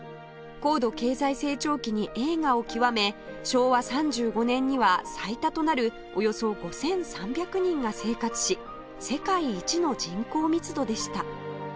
高度経済成長期に栄華を極め昭和３５年には最多となるおよそ５３００人が生活し世界一の人口密度でした